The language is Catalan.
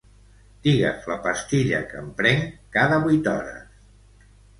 Digues la pastilla que em prenc cada vuit hores.